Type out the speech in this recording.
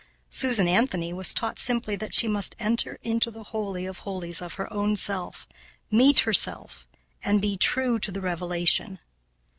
Susan Anthony was taught simply that she must enter into the holy of holies of her own self, meet herself, and be true to the revelation.